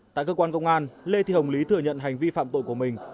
tại cơ quan công an lê thị hồng lý thừa nhận hành vi phạm tội của mình